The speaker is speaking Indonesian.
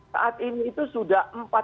saat ini itu sudah